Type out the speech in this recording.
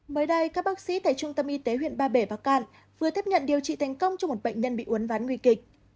mới đây các bác sĩ tại trung tâm y tế huyện ba bể bắc cạn vừa tiếp nhận điều trị thành công cho một bệnh nhân bị uốn ván nguy kịch